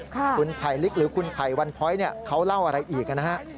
คุณภัยลิกหรือคุณภัยวันพ้อยเขาเล่าอะไรอีก